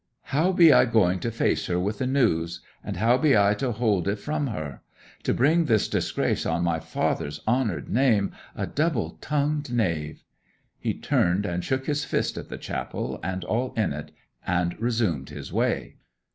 How be I going to face her with the news, and how be I to hold it from her? To bring this disgrace on my father's honoured name, a double tongued knave!' He turned and shook his fist at the chapel and all in it, and resumed his way.